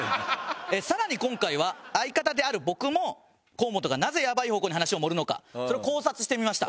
さらに今回は相方である僕も河本がなぜやばい方向に話を盛るのかそれを考察してみました。